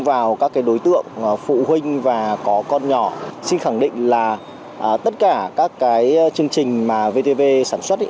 vào các đối tượng phụ huynh và có con nhỏ xin khẳng định là tất cả các cái chương trình mà vtv sản xuất